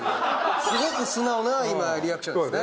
すごく素直な今リアクションですね。